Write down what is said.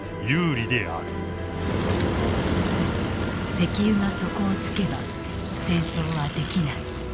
石油が底をつけば戦争はできない。